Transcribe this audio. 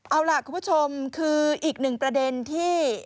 เอาล่ะคุณผู้ชมคืออีกหนึ่งประเด็นที่